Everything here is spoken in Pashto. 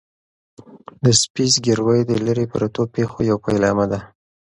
د سپي زګیروی د لیرې پرتو پېښو یو پیلامه ده.